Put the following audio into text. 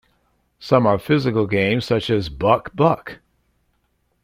Some are physical games such as Buck buck.